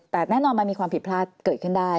แต่แน่นอนมันมีความผิดพลาดเกิดขึ้นได้